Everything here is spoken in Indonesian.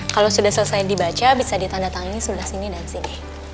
kalau sudah selesai dibaca bisa ditandatangani sebelah sini dan sini